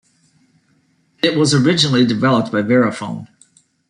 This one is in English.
It was originally developed by Verifone.